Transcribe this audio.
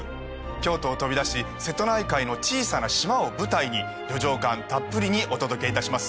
京都を飛び出し瀬戸内海の小さな島を舞台に旅情感たっぷりにお届け致します。